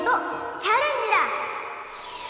チャレンジだ！